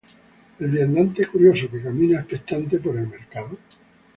el viandante curioso que camina expectante por el mercado